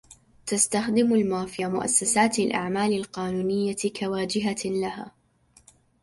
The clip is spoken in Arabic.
تستخدم المافيا مؤسسات الأعمال القانونية كواجهة لها.